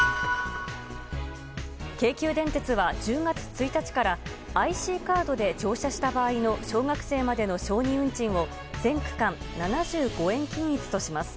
京急電鉄は１０月１日からＩＣカードで乗車した場合の小学生までの小児運賃を全区間７５円均一とします。